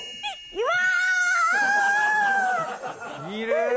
うわ！